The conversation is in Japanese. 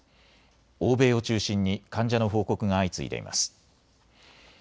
欧米を中心に患者の報告が相次いでいます。